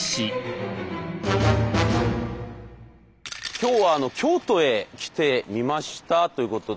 今日は京都へ来てみましたということで。